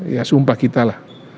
ya sumpah kita lah